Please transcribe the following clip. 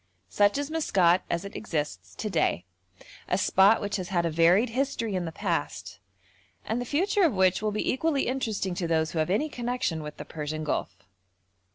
Such is Maskat as it exists to day, a spot which has had a varied history in the past, and the future of which will be equally interesting to those who have any connection with the Persian Gulf.